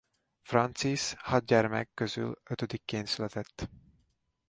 Francis hat gyermek közül ötödikként született.